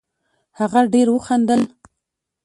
هغه ډېر وخندل